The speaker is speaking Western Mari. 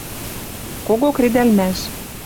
Кого кредӓлмӓш.